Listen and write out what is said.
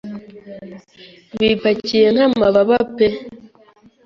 bipakiye nk'amababa pe